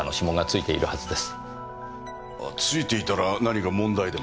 付いていたら何か問題でも？